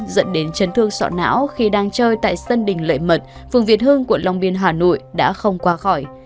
dẫn đến trấn thương sọt não khi đang chơi tại sân đình lợi mật phường việt hương quận long biên hà nội đã không qua khỏi